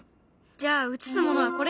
じゃあ映すものはこれ。